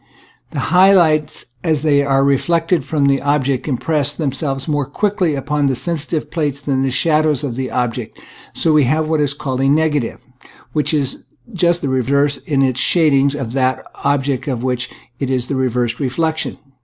The high lights as they are reflected from the ob jects impress themselves more quickly upon the sensitive plate than the shadows of the object, and so we have what is called a negative, which is just the reverse in its shadings from that of the object of which it is a reversed re flection.